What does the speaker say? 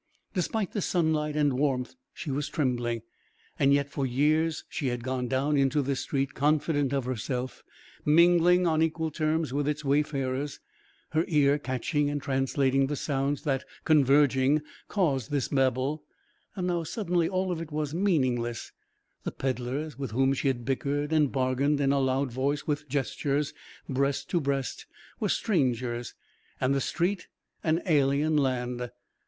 Despite the sunlight and warmth she was trembling. And yet, for years she had gone down into this street confident of herself, mingling on equal terms with its wayfarers, her ear catching and translating the sounds that, converging, caused this babel. Now, suddenly, all of it was meaningless, the peddlers with whom she had bickered and bargained in a loud voice with gestures, breast to breast, were strangers and the street an alien land.